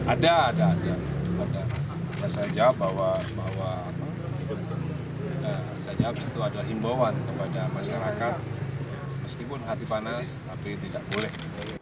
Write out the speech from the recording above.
ada ada saja bahwa itu adalah himbauan kepada masyarakat meskipun hati panas tapi tidak boleh